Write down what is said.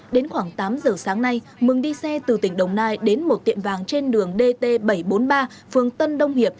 đến khoảng tám giờ sáng nay mừng đi xe từ tỉnh đồng nai đến một tiệm vàng trên đường dt bảy trăm bốn mươi ba phường tân đông hiệp